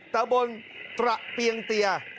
ตะบนตระเปียงเตีย